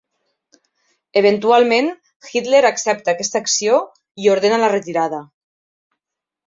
Eventualment, Hitler accepta aquesta acció i ordena la retirada.